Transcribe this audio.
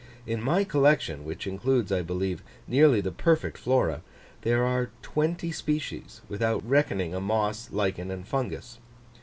In my collection, which includes, I believe, nearly the perfect Flora, there are twenty species, without reckoning a moss, lichen, and fungus.